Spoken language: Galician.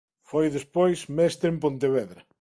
Foi despois mestre en Pontevedra.